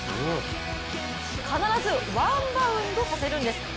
必ずワンバウンドさせるんです。